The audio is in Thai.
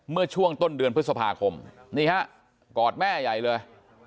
เมื่อช่วงต้นเดือนพฤษภาคมนี่ฮะกอดแม่ใหญ่เลย